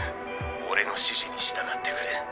俺の指示に従ってくれ。